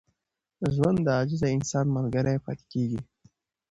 ژوند د عاجز انسان ملګری پاتې کېږي.